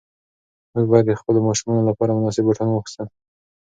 موږ باید د خپلو ماشومانو لپاره مناسب بوټان واخیستل.